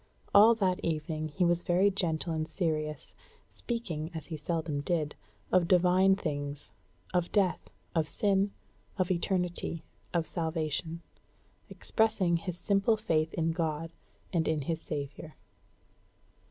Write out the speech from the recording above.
All that evening he was very gentle and serious, speaking, as he seldom did, of divine things, of death, of sin, of eternity, of salvation; expressing his simple faith in God and in his Savior.